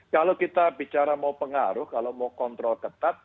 kalau kita bicara mau pengaruh kalau mau kontrol ketat